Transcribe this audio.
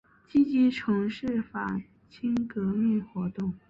积极从事反清革命活动。